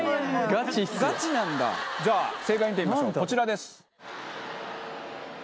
ガチなんだじゃあ正解見てみましょうこちらです。